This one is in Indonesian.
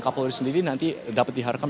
kapol sendiri nanti dapat dihargai